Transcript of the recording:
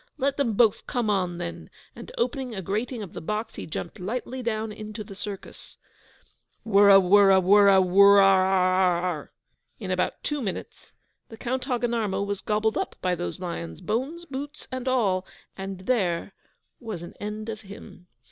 Let them both come on, then!' And opening a grating of the box, he jumped lightly down into the circus. WURRA WURRA WURRA WUR AW AW AW!!! In about two minutes The Count Hogginarmo was GOBBLED UP by those lions, bones, boots, and all, and There was an End of him.